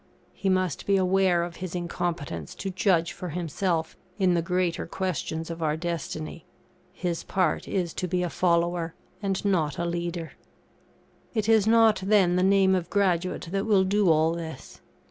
He must be aware of his incompetence to judge for himself in the greater questions of our destiny; his part is to be a follower, and not a leader. It is not, then, the name of graduate that will do all this.